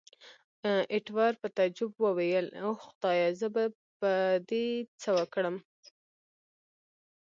ایټور په تعجب وویل، اوه خدایه! زه به په دې څه وکړم.